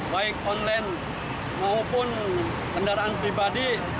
baik online maupun kendaraan pribadi